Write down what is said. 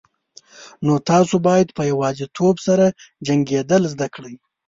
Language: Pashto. نو تاسو باید په یوازیتوب سره جنگیدل زده کړئ.